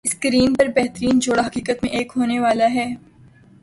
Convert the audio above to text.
screen پر بہترین جوڑا حقیقت میں ایک ہونے والا ہے